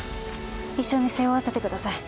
一緒に背負わせてください。